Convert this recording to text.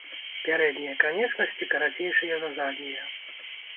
Пярэднія канечнасці карацейшыя за заднія.